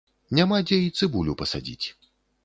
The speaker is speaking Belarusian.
Няма дзе і цыбулю пасадзіць.